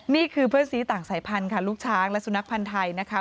นี่คือเพื่อนสีต่างสายพันธุ์ค่ะลูกช้างและสุนัขพันธ์ไทยนะคะ